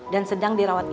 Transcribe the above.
dan sedang dirawat inap